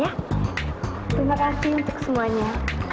terima kasih untuk semuanya